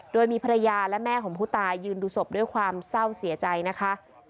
โดยมีภรรยาและแม่ของผู้ตายยืนดูศพด้วยความเศร้าเสียใจนะคะ